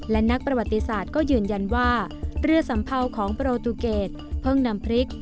และนักประวัติศาสตร์ก็ยืนยันว่าเรือสัมเภาของโปรตูเกตเพิ่งนำพริก